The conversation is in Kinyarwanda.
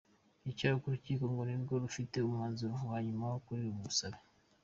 Icyakora urukiko ngo nirwo rufite umwanzuro wa nyuma kuri ubu busabe.